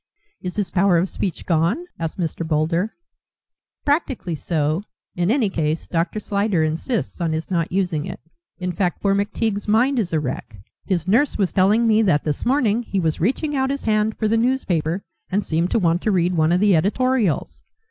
"Is his power of speech gone?" asked Mr. Boulder. "Practically so; in any case, Dr. Slyder insists on his not using it. In fact, poor McTeague's mind is a wreck. His nurse was telling me that this morning he was reaching out his hand for the newspaper, and seemed to want to read one of the editorials.